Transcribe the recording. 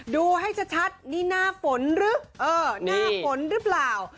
ดูให้ชัดนี่หน้าฝนหรือเออหน้าฝนหรือเปล่า